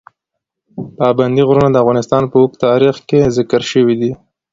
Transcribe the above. پابندي غرونه د افغانستان په اوږده تاریخ کې ذکر شوي دي.